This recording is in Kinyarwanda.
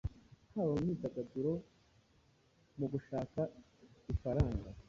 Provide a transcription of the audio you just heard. Haba mu myidagaduro mu gushaka ifaranga,